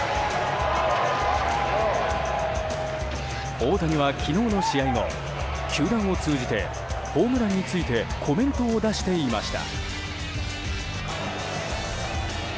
大谷は、昨日の試合後球団を通じてホームランについてコメントを出していました。